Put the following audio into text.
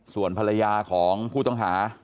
ส่วนภรรยาของผู้ต้องหา